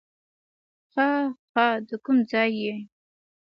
ښه ښه، د کوم ځای یې؟